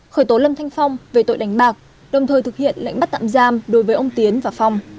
khởi tố lâm thanh phong về tội đánh bạc đồng thời thực hiện lệnh bắt tạm giam đối với ông tiến và phong